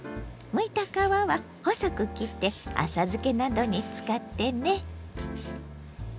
むいた皮は細く切って浅漬けなどに使ってね。